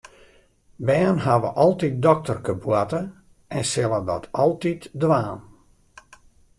Bern hawwe altyd dokterkeboarte en sille dat altyd dwaan.